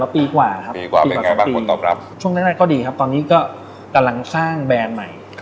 มาปีกว่าครับช่วงแรกก็ดีครับตอนนี้กำลังหรือซึ่งข้างแบรนด์ใหม่